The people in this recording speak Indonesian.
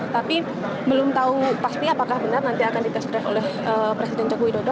tapi belum tahu pasti apakah benar nanti akan dites drive oleh presiden joko widodo